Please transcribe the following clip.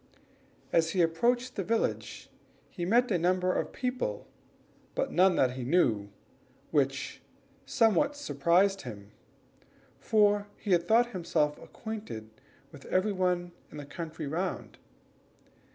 As he approached the village he met a number of people, but none whom he knew, which somewhat surprised him, for he had thought himself acquainted with every one in the country round.